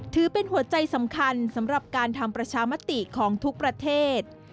ถือเป็นหัวใจสำคัญสำหรับการทำประชามติของทุกประเทศ